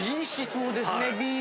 そうですね。